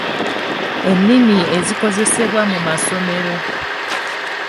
Ennimi ezikozesebwa mu masomero.